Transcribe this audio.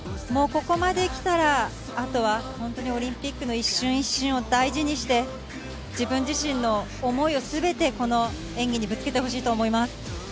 ここまできたら、あとは本当にオリンピックの一瞬一瞬を大事にして自分自身の思いをすべてこの演技にぶつけてほしいと思います。